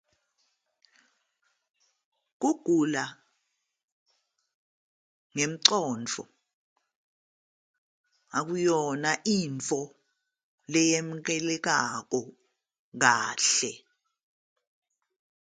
Ukugula ngengqondo akuyona into eyamukeleka kahle.